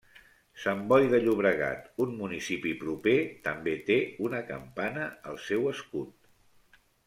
Sant Boi de Llobregat, un municipi proper, també té una campana al seu escut.